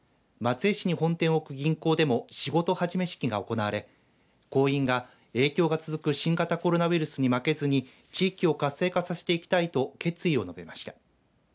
松江市に本店を置く銀行でも仕事始め式が行われ、行員が影響が続く新型コロナウイルスに負けずに地域を活性させていきたいと決意を述べました。